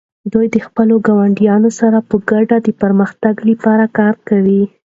دوی د خپلو ګاونډیانو سره په ګډه د پرمختګ لپاره کار کوي.